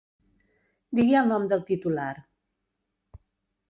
Digui el nom del titular.